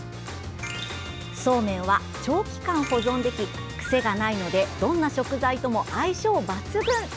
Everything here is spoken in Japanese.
そうめんは長期間、保存できくせがないのでどんな食材とも相性抜群。